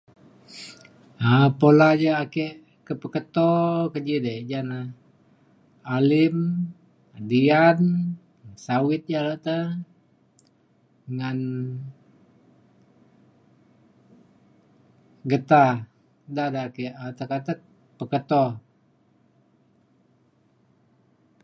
um pula ja ake ke peketo keji dei na na alim dian sawit ja le te ngan getah da da ake atek atek peketo.